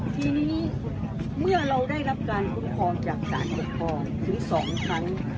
ทีนี้เมื่อเราได้รับการก่งคลองจากสร้างหยุดภองถึง๒ครั้ง